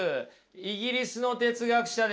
イギリスの哲学者ですよ。